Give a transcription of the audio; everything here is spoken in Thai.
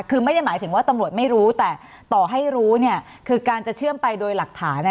คือไม่ได้หมายถึงว่าตำรวจไม่รู้แต่ต่อให้รู้คือการจะเชื่อมไปโดยหลักฐาน